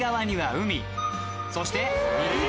そして。